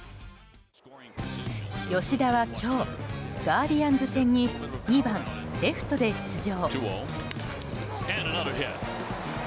吉田は今日、ガーディアンズ戦に２番レフトで出場。